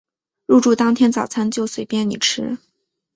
入住当天早餐就随便你吃